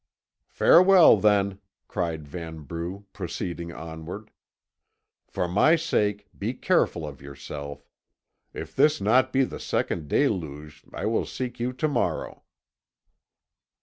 "Farewell then," cried Vanbrugh, proceeding onward. "For my sake be careful of yourself. If this be not the Second Deluge I will seek you to morrow."